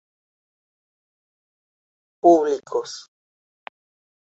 Conjuntamente con ella introdujo una rigurosa economía en los gastos públicos.